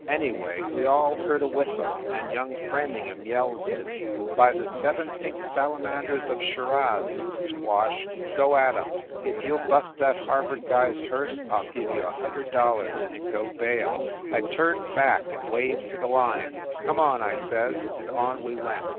Anyway we all heard a whistle, and young Framingham yells to me : "By the seven pink Salamanders of Shiraz, Squash, go at em! If you ll bust that Harvard guy s hearse I ll give you a hundred dollars and go bail!" I turned back and waved to the line "Come on!" I says, and on we went.